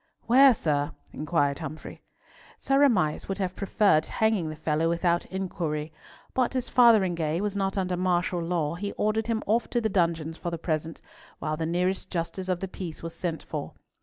"Where, sir?" inquired Humfrey. Sir Amias would have preferred hanging the fellow without inquiry, but as Fotheringhay was not under martial law, he ordered him off to the dungeons for the present, while the nearest justice of the peace was sent for.